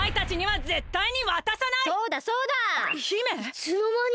いつのまに？